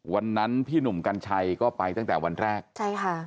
วันนั้นพี่หนุ่มกัญชัยก็ไปตั้งแต่วันแรกใช่ค่ะ